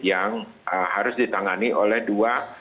yang harus ditangani oleh dua